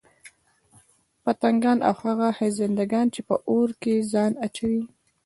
پتنگان او هغه خزندګان چې په اور كي ځان اچوي